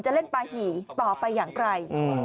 เล่นปาหี่ต่อไปอย่างไกล